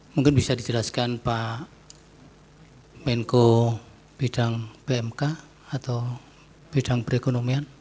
mungkin bisa dijelaskan pak menko bidang pmk atau bidang perekonomian